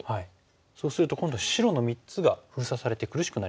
そうすると今度白の３つが封鎖されて苦しくなりますよね。